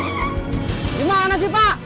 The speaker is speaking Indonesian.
gimana sih pak